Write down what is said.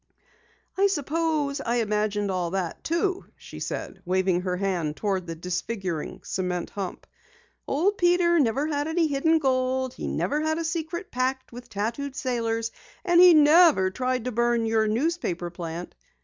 "I suppose I imagined all that too," she said, waving her hand toward the disfiguring cement hump. "Old Peter never had any hidden gold, he never had a SECRET PACT with tattooed sailors, and he never tried to burn your newspaper plant!"